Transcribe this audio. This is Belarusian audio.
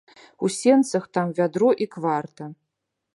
У сенцах там вядро і кварта.